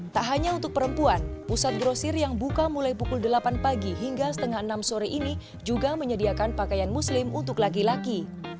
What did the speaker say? tak hanya untuk perempuan pusat grosir yang buka mulai pukul delapan pagi hingga setengah enam sore ini juga menyediakan pakaian muslim untuk laki laki